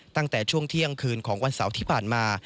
ตั้งแต่ช่วงเที่ยงคืนของวันเสาร์ที่ผ่านมา